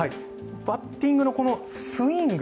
バッティングのスイング